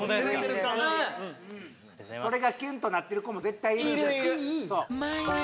うんそれがキュンとなってる子も絶対いるいるいる！